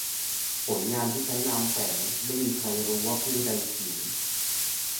ผลงานที่ใช้นามแฝง : ไม่มีใครรู้ว่าผู้ใดเขียน